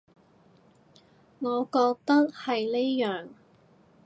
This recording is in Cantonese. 我覺得係呢樣